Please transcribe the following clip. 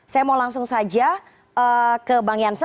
saya mau langsung saja ke bang jansen